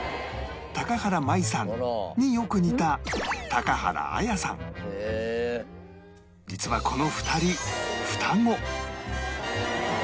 原舞さんによく似た実はこの２人